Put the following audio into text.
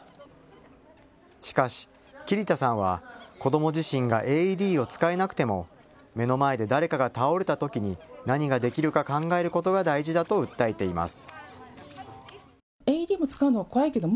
しかし桐田さんは子ども自身がＡＥＤを使えなくても目の前で誰かが倒れたときに何ができるか考えることが大事だと訴えています。